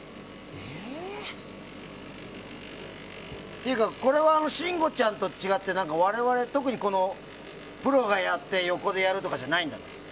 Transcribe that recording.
というか、これは信五ちゃんと違って我々、特にプロが横でやるとかじゃないんだね。